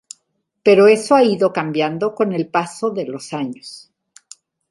Pero eso ha ido cambiando con el paso de los años.